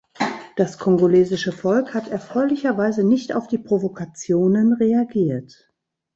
Das kongolesische Volk hat erfreulicherweise nicht auf die Provokationen reagiert.